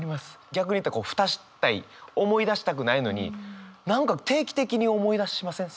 逆に言うとこう蓋したい思い出したくないのに何か定期的に思い出しません？